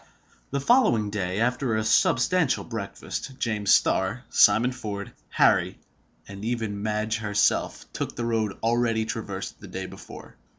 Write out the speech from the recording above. The following day, after a substantial breakfast, James Starr, Simon Ford, Harry, and even Madge herself, took the road already traversed the day before.